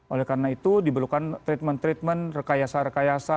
oleh karena itu diperlukan treatment treatment rekayasa rekayasa